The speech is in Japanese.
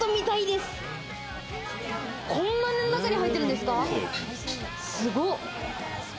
こんな中に入ってるんですか？